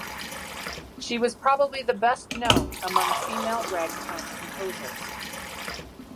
She was probably the best known among female ragtime composers.